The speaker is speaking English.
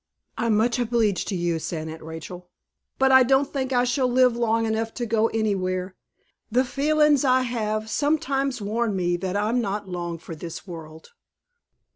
"I'm much obleeged to you," said Aunt Rachel; "but I don't think I shall live long to go anywhere. The feelin's I have, sometimes warn me that I'm not long for this world."